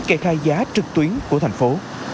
kê khai giá trực tuyến của thành phố